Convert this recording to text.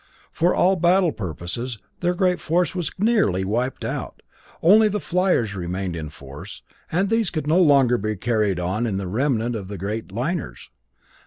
For all battle purposes their great force was nearly wiped out, only the fliers remained in force; and these could no longer be carried in the remnant of the great liners.